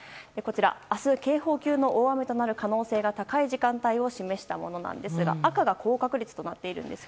明日、警報級の大雨となる可能性が高い時間帯を示したものですが赤が高確率となっています。